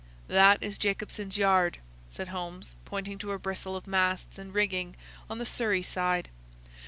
"That is Jacobson's Yard," said Holmes, pointing to a bristle of masts and rigging on the Surrey side.